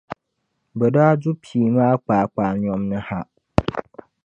bɛ daa du pii maa kpaakpaanyom ni ha.